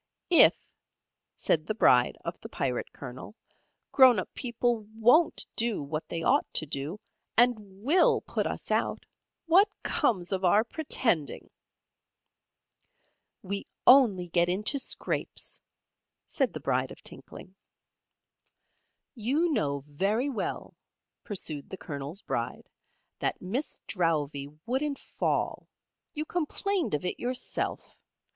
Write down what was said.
"If," said the Bride of the Pirate Colonel, "grown up people WON'T do what they ought to do, and WILL put us out, what comes of our pretending?" "We only get into scrapes," said the Bride of Tinkling. "You know very well," pursued the Colonel's Bride, "that Miss Drowvey wouldn't fall. You complained of it yourself.